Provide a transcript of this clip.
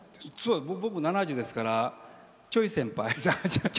僕７０ですから、ちょい先輩。